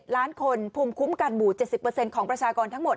ล้านคนภูมิคุ้มกันหมู่๗๐ของประชากรทั้งหมด